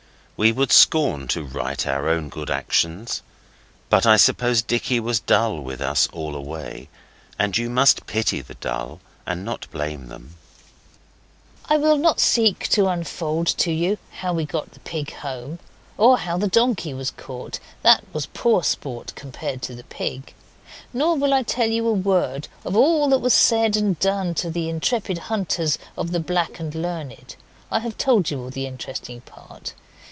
We would scorn to write our own good actions, but I suppose Dicky was dull with us all away; and you must pity the dull, and not blame them. I will not seek to unfold to you how we got the pig home, or how the donkey was caught (that was poor sport compared to the pig). Nor will I tell you a word of all that was said and done to the intrepid hunters of the Black and Learned. I have told you all the interesting part.